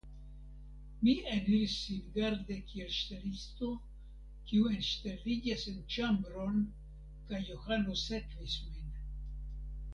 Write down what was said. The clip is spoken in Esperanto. Mi eniris singarde kiel ŝtelisto, kiu enŝteliĝas en ĉambron, kaj Johano sekvis min.